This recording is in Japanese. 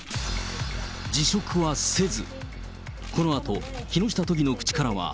辞職はせず。